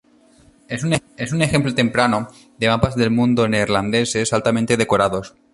Es un ejemplo temprano de mapas del mundo neerlandeses altamente decorados.